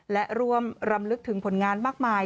และร่วมรำลึกถึงผลงานมากมาย